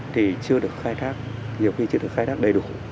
thì chưa được khai thác nhiều khi chưa được khai thác đầy đủ